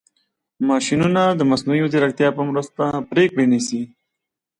ماشینونه د مصنوعي ځیرکتیا په مرسته پرېکړې نیسي.